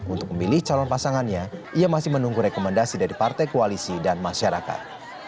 untuk memilih calon pasangannya ia masih menunggu rekomendasi dari partai koalisi dan masyarakat